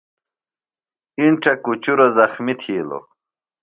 اِنڇہ کُچُروۡ زخمیۡ تھِیلوۡ۔